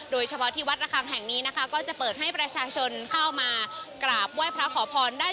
โดยเฉพาะที่วัดระคังแห่งนี้นะคะก็จะเปิดให้ประชาชนเข้ามากราบไหว้พระขอพรได้